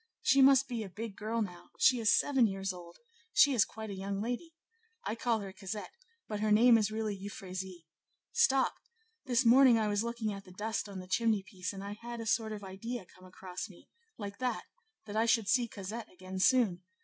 she must be a big girl now; she is seven years old; she is quite a young lady; I call her Cosette, but her name is really Euphrasie. Stop! this morning I was looking at the dust on the chimney piece, and I had a sort of idea come across me, like that, that I should see Cosette again soon.